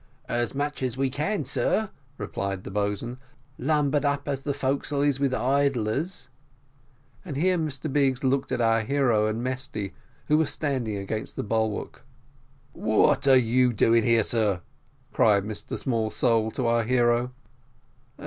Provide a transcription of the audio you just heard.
"As much as we can, sir," replied the boatswain, "lumbered as the forecastle is with idlers;" and here Mr Biggs looked at our hero and Mesty, who were standing against the bulwark. "What are you doing here, sir?" cried Mr Smallsole to our hero.